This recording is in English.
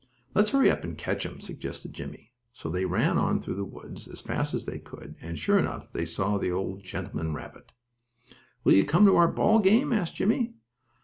"Let's hurry up and catch him," suggested Jimmie. So they ran on through the woods as fast as they could and, sure enough, they soon saw the old gentleman rabbit. "Will you come to our ball game?" asked Jimmie.